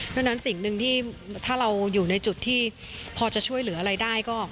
เพราะฉะนั้นสิ่งหนึ่งที่ถ้าเราอยู่ในจุดที่พอจะช่วยเหลืออะไรได้ก็